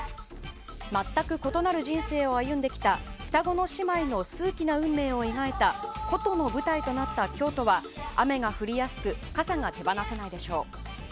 全く異なる人生を歩んできた双子の姉妹の数奇な運命を描いた「古都」の舞台となった京都は雨が降りやすく傘が手放せないでしょう。